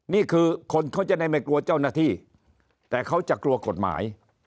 นี่คือคนเขาจะได้ไม่กลัวเจ้าหน้าที่แต่เขาจะกลัวกฎหมาย